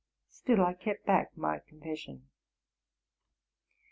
Still I kept back my confession.